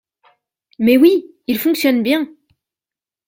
Mais oui ! il fonctionne bien !…